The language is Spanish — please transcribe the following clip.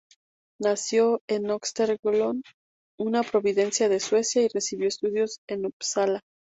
Nació en Östergötland, una provincia de Suecia, y recibió estudios en Upsala.